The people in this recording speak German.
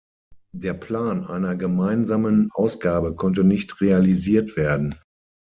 Der Plan einer gemeinsamen Ausgabe konnte nicht realisiert werden.